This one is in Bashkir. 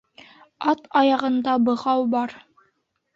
Ат аяғында бығау бар